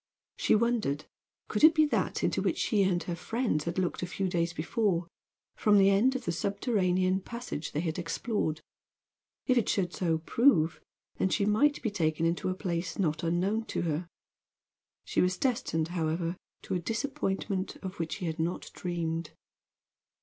She wondered could it be that into which she and her friends had looked a few days before from the end of the subterranean passage they had explored. If it should so prove, then she might be taken into a place not unknown to her. She was destined, however, to a disappointment of which she had not dreamed.